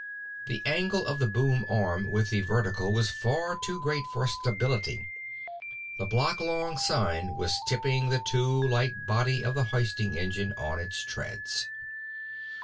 The angle of the boom arm with the vertical was far too great for stability; the block long sign was tipping the too light body of the hoisting engine on its treads....